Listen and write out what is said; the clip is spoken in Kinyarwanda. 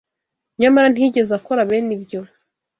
Nyamara ntiyigeze akora bene ibyo